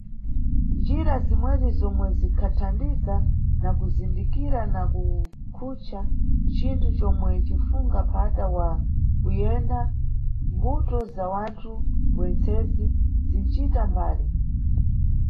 Njira zimwezi zomwe zinʼkanthaniza na kuzindikira na kukhucha cinthu comwe cinʼfunga mpata wa kuyenda mʼmbuto za wanthu wentsezi zinʼcita mbali.